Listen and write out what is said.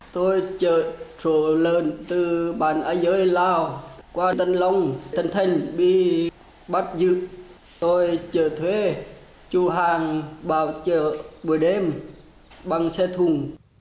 tôi chở trụ lợn từ bàn ái dưới lào qua tân long tân thanh bị bắt dự tôi chở thuê chụ hàng vào chợ buổi đêm bằng xe thùng